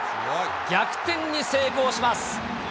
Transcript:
逆転に成功します。